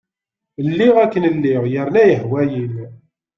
Lliɣ akken lliɣ yerna yehwa-iyi.